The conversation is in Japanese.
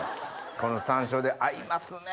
この山椒で合いますね！